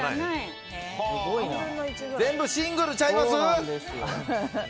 全部シングルちゃいます？